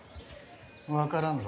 「分からんぞ」。